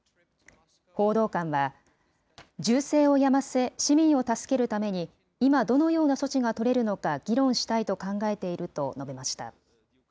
報道官は、銃声をやませ、市民を助けるために、今どのような措置が取れるのか議論したいと考えていると述べました。